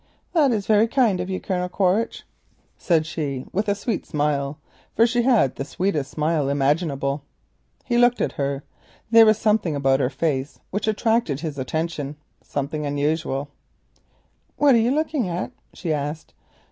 "That is very kind of you, Colonel Quaritch," said she with a sweet smile (for she had the sweetest smile imaginable). He looked at her. There was something about her face which attracted his attention, something unusual. "What are you looking at?" she asked.